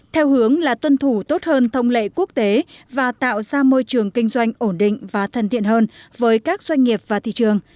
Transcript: theo hướng là tuân thủ tốt hơn thông lệ quốc tế và tạo ra môi trường kinh doanh ổn định và thân thiện hơn với các doanh nghiệp và thị trường